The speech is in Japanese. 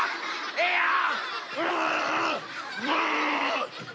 ええやん！